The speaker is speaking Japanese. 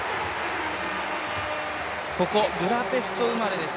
ここブダペスト生まれです。